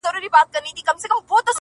شعـر كي مي راپـاتـــه ائـيـنه نـه ده،